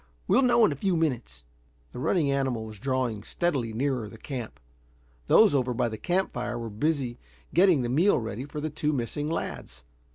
We'll know in a few minutes." The running animal was drawing steadily nearer the camp. Those over by the camp fire were busy getting the meal ready for the two missing lads.